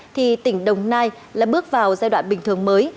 thì tỉnh đồng nai lại bước vào giai đoạn bình thường mới